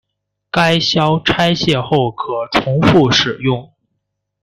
该销拆卸后可重复使用。